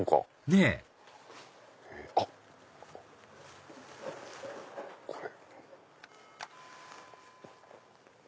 ねぇあっこれ。